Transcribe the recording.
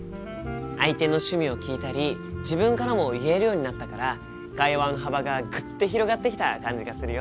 相手の趣味を聞いたり自分からも言えるようになったから会話の幅がぐっと広がってきた感じがするよ。